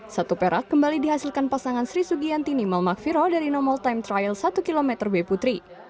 satu perak kembali dihasilkan pasangan sri sugianti nimal magviro dari nomor time trial satu km w putri